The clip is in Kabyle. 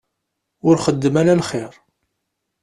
Ur xeddem ala lxir.